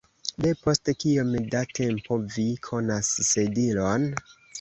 Depost kiom da tempo vi konas Sedilon?